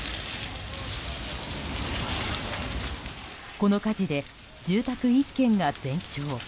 この火事で住宅１軒が全焼。